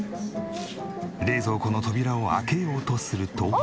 冷蔵庫の扉を開けようとすると。